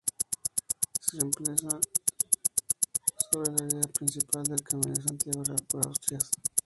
Se emplaza sobre la vía principal del Camino de Santiago Real por Asturias.